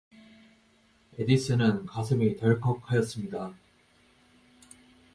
앤더슨은 가슴이 덜컥 하였습니다.